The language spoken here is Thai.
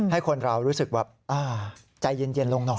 ให้คนเรารู้สึกแบบใจเย็นลงหน่อย